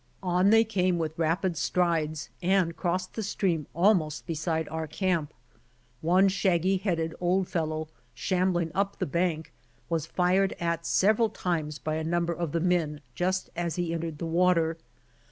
On they came with rapid strides, and crossed the stream almost beside our camp. One shaggy headed old fellow, shamb'ing up the bank, was tired at several times by a number of the men just as he entered the water.